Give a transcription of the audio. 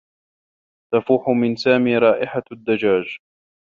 تفوح من سامي رائحة الدّجاج.